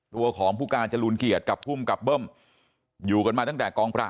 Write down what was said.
ตัวของผู้การจรูนเกียรติกับภูมิกับเบิ้มอยู่กันมาตั้งแต่กองปราบ